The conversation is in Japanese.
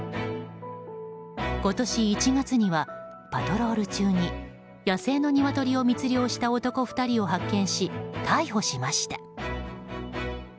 今年１月にはパトロール中に野生のニワトリを密漁した男２人を発見し逮捕しました。